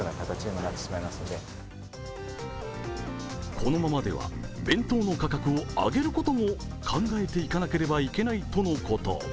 このままでは弁当の価格を上げることも考えていかなくてはいけないとのこと。